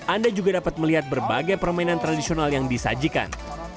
anda juga dapat melihat berbagai permainan tradisional yang disajikan